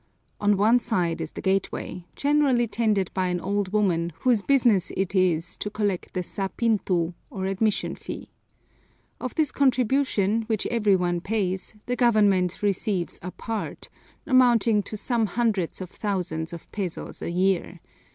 On one side is the gateway, generally tended by an old woman whose business it is to collect the sa pintu, or admission fee. Of this contribution, which every one pays, the government receives a part, amounting to some hundreds of thousands of pesos a year.